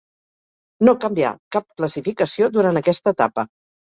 No canvià cap classificació durant aquesta etapa.